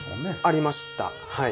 ありましたはい。